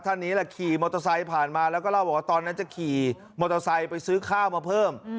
นี้แหละขี่มอเตอร์ไซค์ผ่านมาแล้วก็เล่าบอกว่าตอนนั้นจะขี่มอเตอร์ไซค์ไปซื้อข้าวมาเพิ่ม